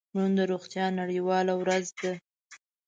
نن د روغتیا نړیواله ورځ ده.